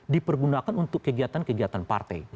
dipergunakan untuk kegiatan kegiatan partai